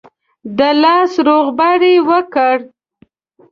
د لاس روغبړ یې وکړ.